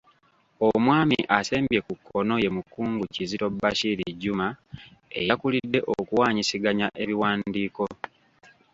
Omwami asembye ku kkono ye Mukungu Kizito Bashir Juma eyakulidde okuwaanyisiganya ebiwandiiko.